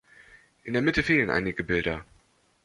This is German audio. In der Mitte fehlen einige der Bilder.